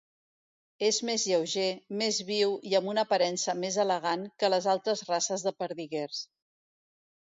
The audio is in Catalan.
És més lleuger, més viu i amb una aparença més elegant que les altres races de perdiguers.